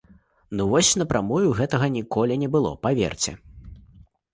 Ну вось напрамую гэтага ніколі не было, паверце!